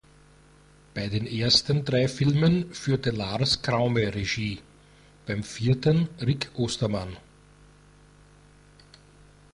Bei den ersten drei Filmen führte Lars Kraume Regie, beim vierten Rick Ostermann.